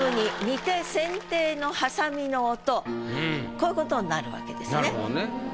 こういう事になるわけですね。